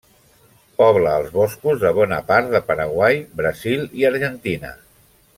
Pobla els boscos de bona part de Paraguai, Brasil i Argentina.